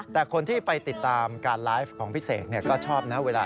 แต่คนที่ไปติดตามการไลฟ์ของพี่เสกก็ชอบนะเวลา